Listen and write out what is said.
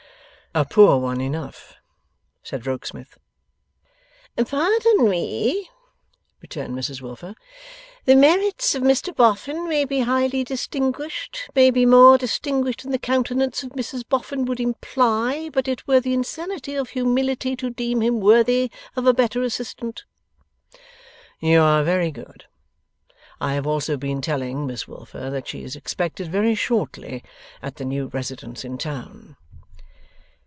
'A poor one enough,' said Rokesmith. 'Pardon me,' returned Mrs Wilfer, 'the merits of Mr Boffin may be highly distinguished may be more distinguished than the countenance of Mrs Boffin would imply but it were the insanity of humility to deem him worthy of a better assistant.' 'You are very good. I have also been telling Miss Wilfer that she is expected very shortly at the new residence in town.